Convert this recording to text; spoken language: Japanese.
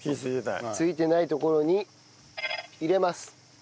ついてないところに入れます。